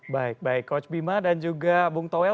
baik baik coach bima dan juga bung towel